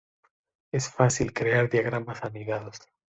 Es fácil crear diagramas anidados.